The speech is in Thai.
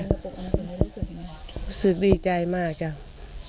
รู้สึกดีใจมากจัง